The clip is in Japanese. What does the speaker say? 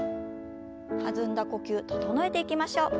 弾んだ呼吸整えていきましょう。